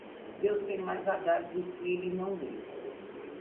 Deus tem mais a dar do que ele não deu.